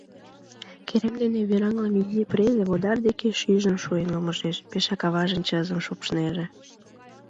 Керем дене вӱраҥлыме изи презе водар деке шӱйжым шуен ломыжеш, пешак аважын чызым шупшнеже.